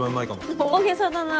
大げさだなぁ。